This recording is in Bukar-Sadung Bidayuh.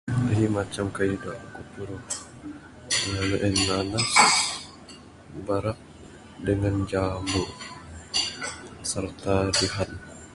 Ahi macam kayuh da ku puruh ngin ne en ngan barak dangan jambu serta dihan.